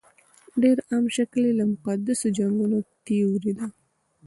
ډېر عام شکل یې د مقدسو جنګونو تیوري ده.